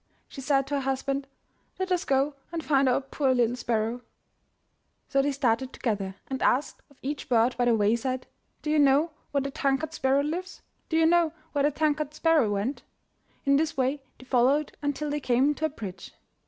She said to her husband, ''Let us go and find our poor Httle sparrow/' So they started together, and asked of each bird by the wayside: ''Do you know where the tongue cut sparrow Hves? Do you know where the tongue cut sparrow went?'' In this way they followed until they came to a bridge.